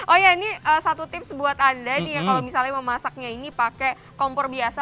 oh iya ini satu tips buat anda nih ya kalau misalnya mau masaknya ini pakai kompor biasa